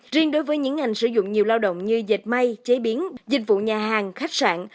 riêng đối với những ngành sử dụng nhiều lao động như dệt may chế biến dịch vụ nhà hàng khách sạn